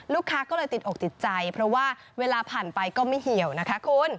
ลูกค้าก็เลยติดอกติดใจเพราะว่าเวลาผ่านไปก็ไม่เหี่ยวนะคะคุณ